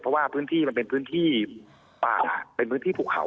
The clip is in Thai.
เพราะว่าพื้นที่มันเป็นพื้นที่ป่าเป็นพื้นที่ภูเขา